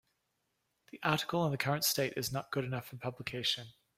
The article in the current state is not good enough for publication.